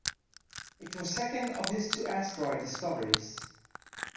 It was second of his two asteroid discoveries.